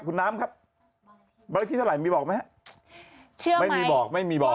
คุณน้ำครับบ้านเล็กที่เท่าไหร่มีบอกมั้ยไม่มีบอกไม่มีบอก